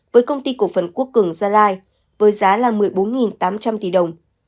với công ty cổ phần quốc cường gia lai với giá là một mươi bốn tám trăm linh tỷ đồng